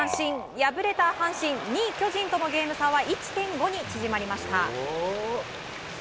敗れた阪神、２位、巨人とのゲーム差は１．５に縮まりました。